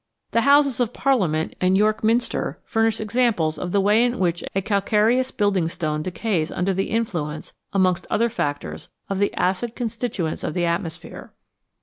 The Houses of Parliament and York Minster furnish examples of the way in which a calcareous building stone decays under the influence, amongst other factors, of the acid constituents of the atmosphere.